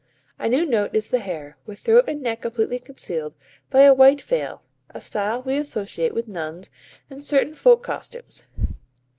A new note is the hair, with throat and neck completely concealed by a white veil, a style we associate with nuns and certain folk costumes.